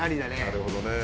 なるほどね。